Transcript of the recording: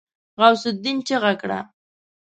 غوث االدين چيغه کړه.